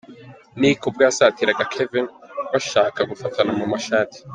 Nick ubwo yasatiraga Kevin bashaka gufatana mu mashati.